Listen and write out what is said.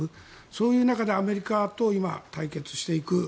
そういう中でアメリカと今、対決していく。